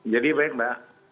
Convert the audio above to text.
jadi baik mbak